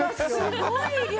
すごい量！